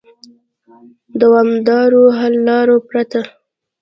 د دوامدارو حل لارو پرته